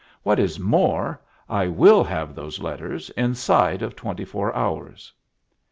What is more, I will have those letters inside of twenty four hours."